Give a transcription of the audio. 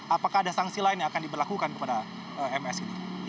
apakah ada sanksi lain yang akan diberlakukan kepada ms ini